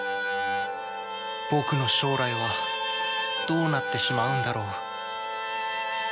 僕の将来はどうなってしまうんだろう？